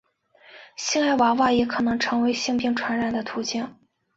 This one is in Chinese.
性爱娃娃也可能成为性病传染的途径。